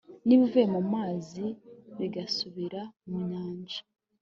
n'ibivuye mu mazi bigasubira mu nyanja